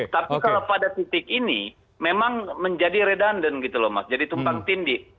tapi kalau pada titik ini memang menjadi redundan gitu loh mas jadi tumpang tindih